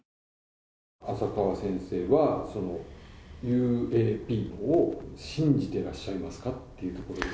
浅川先生はＵＡＰを信じてらっしゃいますかというところで。